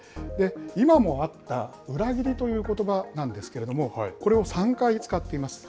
今もあった裏切りということばなんですけれども、これを３回使っています。